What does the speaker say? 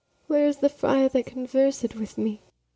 Where is the friar that convers'd with me?